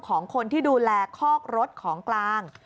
ของคนที่ดูแลคอกรถของกลาง